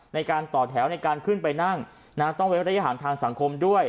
ในการต่อแถวในการขึ้นไปนั่งต้องเว้นระยะห่างทางสังคมด้วย